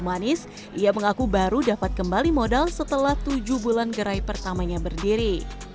manis ia mengaku baru dapat kembali modal setelah tujuh bulan gerai pertamanya berdiri